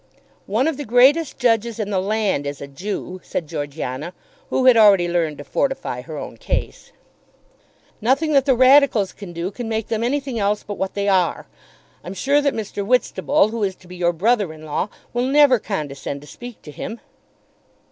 "One of the greatest judges in the land is a Jew," said Georgiana, who had already learned to fortify her own case. "Nothing that the Radicals can do can make them anything else but what they are. I'm sure that Mr. Whitstable, who is to be your brother in law, will never condescend to speak to him."